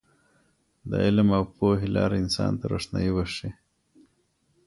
د علم او پوهې لاره انسان ته روښنايي بښي.